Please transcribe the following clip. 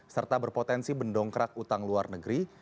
serta berpotensi mendongkrak utang luar negeri